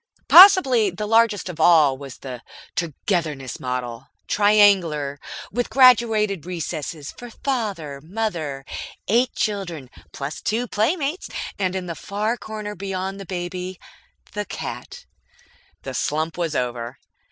Possibly the largest of all was the "Togetherness" model, triangular, with graduated recesses for Father, Mother, eight children (plus two playmates), and, in the far corner beyond the baby, the cat. The slump was over.